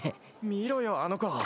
見ろよあの子。